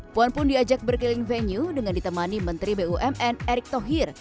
puan pun diajak berkeliling venue dengan ditemani menteri bumn erick thohir